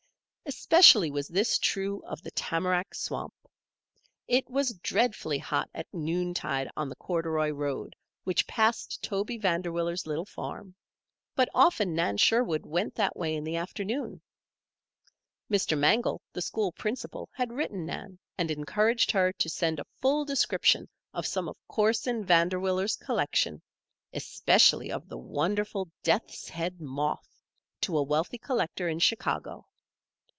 Especially was this true of the tamarack swamp. It was dreadfully hot at noontide on the corduroy road which passed Toby Vanderwiller's little farm; but often Nan Sherwood went that way in the afternoon. Mr. Mangel, the school principal, had written Nan and encouraged her to send a full description of some of Corson Vanderwiller's collection, especially of the wonderful death's head moth, to a wealthy collector in Chicago.